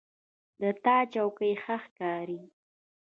د تا چوکۍ ښه ښکاري